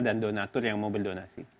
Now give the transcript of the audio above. dan donatur yang mau berdonasi